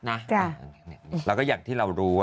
นะแล้วก็อย่างที่เรารู้